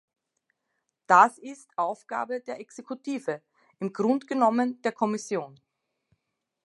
Das ist Aufgabe der Exekutive, im Grunde genommen der Kommission.